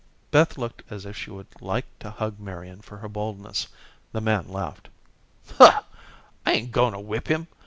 Beth looked as if she would like to hug Marian for her boldness. The man laughed. "I ain't going to whip him.